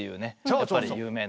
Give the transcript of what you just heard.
やっぱり有名な。